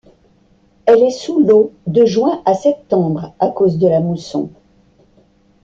Elle est sous l'eau de juin à septembre à cause de la mousson.